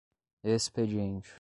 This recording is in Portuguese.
expediente